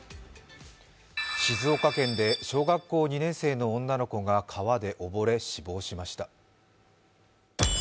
静岡県で小学校２年生の女の子が川で溺れ死亡しました。